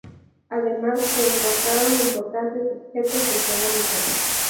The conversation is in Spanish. Además, se encontraron importantes objetos de cerámica.